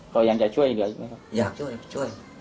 เรายังจะช่วยเหลืออีกไหมครับ